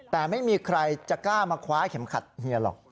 แต่ไม่มีใครจะกล้ามาคว้าเข็มขัดเฮียหรอก